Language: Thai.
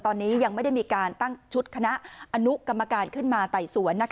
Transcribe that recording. ตอนนี้ยังไม่ได้มีการตั้งชุดคณะอนุกรรมการขึ้นมาไต่สวน